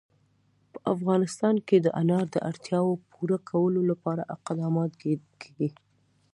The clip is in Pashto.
په افغانستان کې د انار د اړتیاوو پوره کولو لپاره اقدامات کېږي.